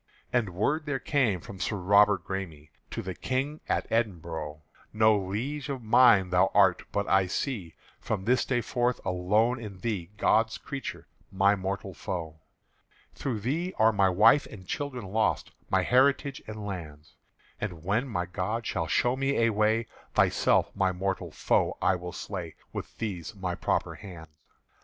And word there came from Sir Robert Græme To the King at Edinbro': "No Liege of mine thou art; but I see From this day forth alone in thee God's creature, my mortal foe. "Through thee are my wife and children lost, My heritage and lands; And when my God shall show me a way, Thyself my mortal foe will I slay With these my proper hands."